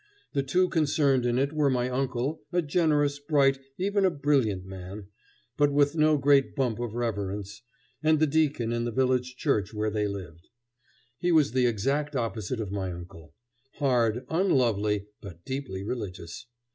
The two concerned in it were my uncle, a generous, bright, even a brilliant man, but with no great bump of reverence, and the deacon in the village church where they lived. He was the exact opposite of my uncle: hard, unlovely, but deeply religious.